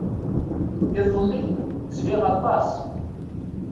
Iḍelli, zhiɣ aṭas.